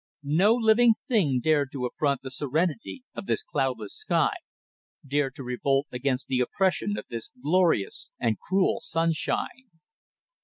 No living thing dared to affront the serenity of this cloudless sky, dared to revolt against the oppression of this glorious and cruel sunshine.